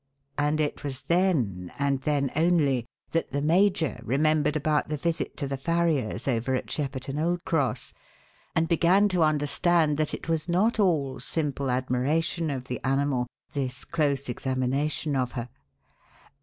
And it was then and then only that the major remembered about the visit to the farrier's over at Shepperton Old Cross and began to understand that it was not all simple admiration of the animal, this close examination of her.